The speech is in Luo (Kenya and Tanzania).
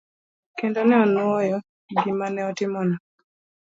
Kendo ne onuoyo gima ne otimono.